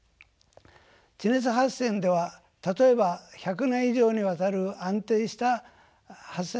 地熱発電では例えば１００年以上にわたる安定した発電が可能です。